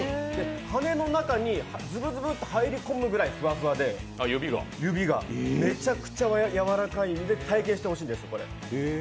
羽の中にズブズブっと入り込むぐらいやわらかくてめちゃくちゃやわらかいので体験してほしいんです。